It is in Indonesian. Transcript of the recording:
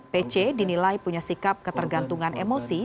pc dinilai punya sikap ketergantungan emosi